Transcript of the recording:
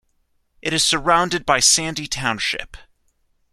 It is surrounded by Sandy Township.